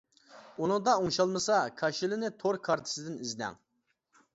ئۇنىڭدا ئوڭشالمىسا كاشىلىنى تور كارتىسىدىن ئىزدەڭ.